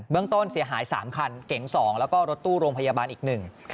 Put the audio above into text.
เรื่องต้นเสียหาย๓คันเก๋ง๒แล้วก็รถตู้โรงพยาบาลอีกหนึ่ง